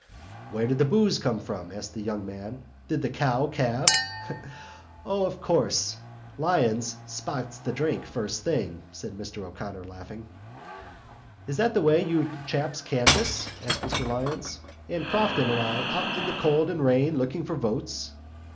"Where did the boose come from?" asked the young man. "Did the cow calve?" "O, of course, Lyons spots the drink first thing!" said Mr O'Connor, laughing. "Is that the way you chaps canvass," said Mr Lyons, "and Crofton and I out in the cold and rain looking for votes?"